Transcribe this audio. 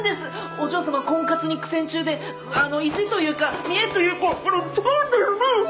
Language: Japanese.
お嬢様婚活に苦戦中で意地というか見えというか違うんです。